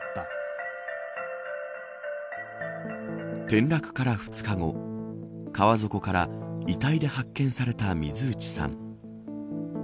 転落から２日後川底から遺体で発見された水内さん。